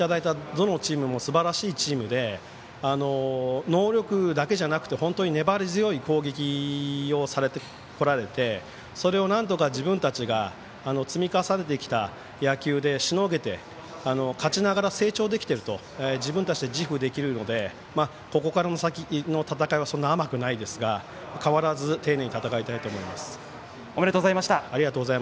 どのチームもすばらしいチームで能力だけじゃなくて本当に粘り強い攻撃をされてこられてそれをなんとか自分たちが積み重ねてきた野球でしのげて勝ちながら成長できてると自分たちで自負できるのでここから先の戦いは甘くないですが変わらずおめでとうございました。